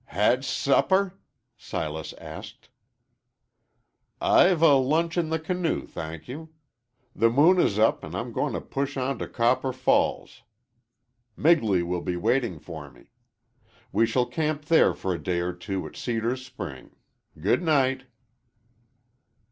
"Had s supper?" Silas asked. "I've a lunch in the canoe, thank you. The moon is up, an' I'm going to push on to Copper Falls. Migley will be waiting for me. We shall camp there for a day or two at Cedar Spring. Good night."